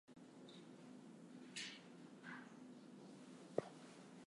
The system uses an on-demand model, doing work only as required.